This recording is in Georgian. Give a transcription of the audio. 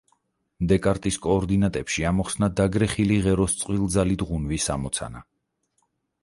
დეკარტის კოორდინატებში ამოხსნა დაგრეხილი ღეროს წყვილძალით ღუნვის ამოცანა.